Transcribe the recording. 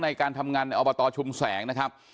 ในการทำงานในอบตชุมแสงนะครับ